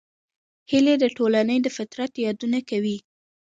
هیلۍ د ټولنې د فطرت یادونه کوي